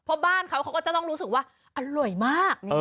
เพราะบ้านเขาเขาก็จะต้องรู้สึกว่าอร่อยมาก